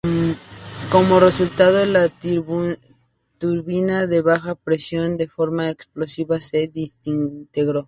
Como resultado, la turbina de baja presión de forma explosiva se desintegró.